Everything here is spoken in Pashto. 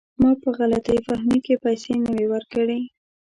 ما په غلط فهمۍ کې پیسې نه وې ورکړي.